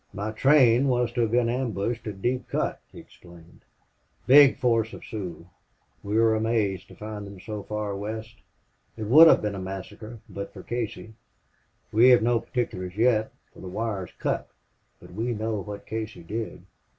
"My train was to have been ambushed at Deep Cut," he explained. "Big force of Sioux. We were amazed to find them so far west. It would have been a massacre but for Casey.... We have no particulars yet, for the wire is cut. But we know what Casey did.